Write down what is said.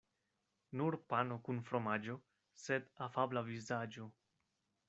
Nur pano kun fromaĝo, sed afabla vizaĝo.